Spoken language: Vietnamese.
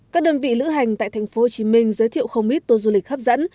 các đơn vị lữ hành tại tp hcm giới thiệu không ít tour du lịch hấp dẫn